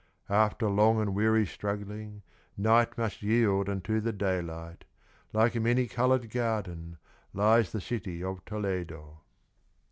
After long and weary struggling, Night must yield unto the daylight. Like a many colored garden, Lies the city of Toledo.